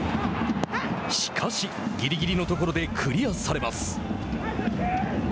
しかし、ぎりぎりのところでクリアされます。